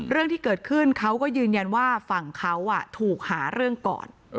เรื่องที่เกิดขึ้นเขาก็ยืนยันว่าฝั่งเขาถูกหาเรื่องก่อน